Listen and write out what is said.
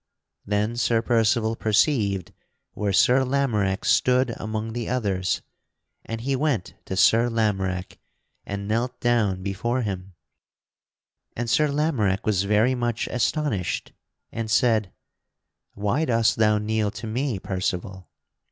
Then Sir Percival perceived where Sir Lamorack stood among the others, and he went to Sir Lamorack and knelt down before him; and Sir Lamorack was very much astonished, and said: "Why dost thou kneel to me, Percival?"